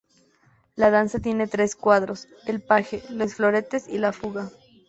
La Danza tiene tres cuadros: el "Paje", "Les Floretes" y "La Fuga".